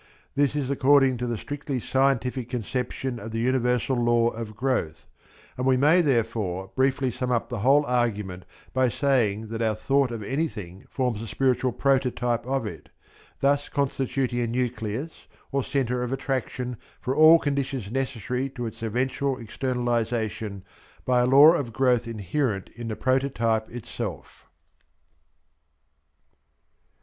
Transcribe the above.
This is according to the strictly scientific conception of the universal law of growth; and we may therefore briefly sum up the whole argument by saying that our thought of anything forms a spiritual prototype of it, thus constituting a nucleus or centre of attraction for all conditions necessary to its eventual externalization by a law of growth inherent in the prototype itself.